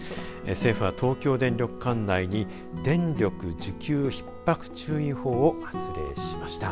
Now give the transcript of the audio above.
政府は東京電力管内に電力需給ひっ迫注意報を発令しました。